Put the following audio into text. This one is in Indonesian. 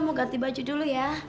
mau ganti baju dulu ya